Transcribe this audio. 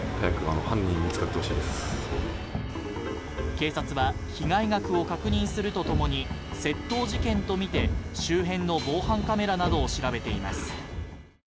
警察は被害額を確認するとともに窃盗事件とみて周辺の防犯カメラなどを調べています。